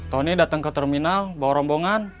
tony datang ke terminal bawa rombongan